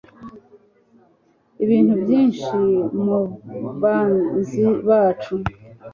Ibintu Byinshi Mubanzi bacu